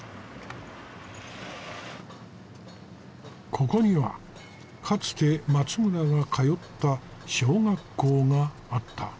ここにはかつて松村が通った小学校があった。